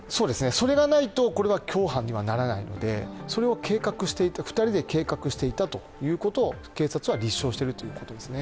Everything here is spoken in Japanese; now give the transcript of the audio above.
それがないとこれは共犯にはならないので、それを２人で計画していたということを警察は立証しているという感じですね。